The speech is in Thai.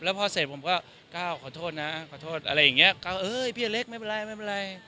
แล้วพอเสร็จผมก็ขอโทษนะก้าวพี่อเล็กไม่เป็นไร